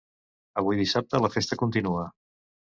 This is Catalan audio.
Avui dissabte, la festa continua.